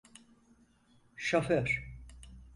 Şoför!